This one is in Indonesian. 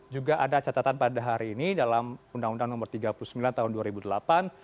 juga ada catatan pada hari ini dalam undang undang nomor tiga puluh sembilan tahun dua ribu delapan